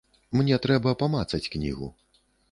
Мне трэба памацаць кнігу.